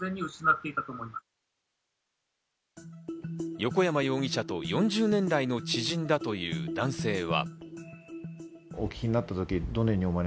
横山容疑者と４０年来の知人だという男性は。